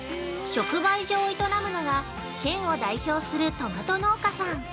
◆直売所を営むのが、県を代表するトマト農家さん。